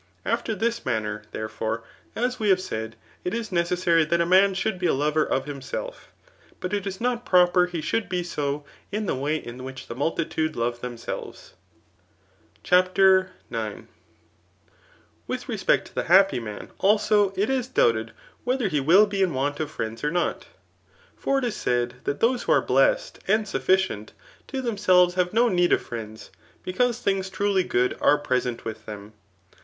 After this manner, therefore, as we have said, k is necessary that a man should be a lover of himself, but it is not proper he should be so in the way in which the multitude love tbemsehes. Aria. voL« iXk Y Digitized by VjOOQIC 3M THX NlCCAiAGHXAN SOOK UC* CHAPTER OL '\^itH respect to the happy man, alsq, it is doubted, whether he will be in want of friends or not. For it k said, that those who are blessed and sufficient to them selves have no need of friends j because things truly good are present with them.